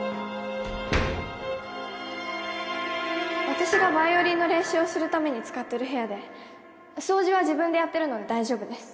私がバイオリンの練習をするために使っている部屋で掃除は自分でやっているので大丈夫です。